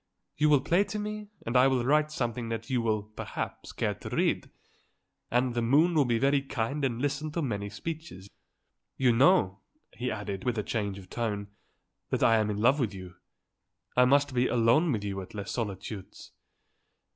You will play to me, and I will write something that you will, perhaps, care to read. And the moon will be very kind and listen to many speeches. You know," he added, with a change of tone, "that I am in love with you. I must be alone with you at Les Solitudes."